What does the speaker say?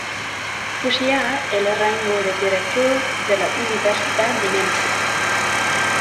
Poseía el rango de director de la Universidad de Memphis.